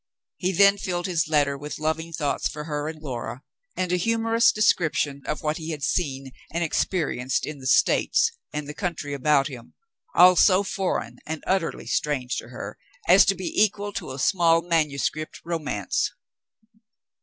He then filled his letter with loving thoughts for her and Laura, and a humor ous description of what he had seen and experienced in the "States" and the country about him, all so foreign and utterly strange to her as to be equal to a small manu script romance.